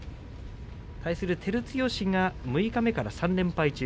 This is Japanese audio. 対する照強が六日目から３連敗中。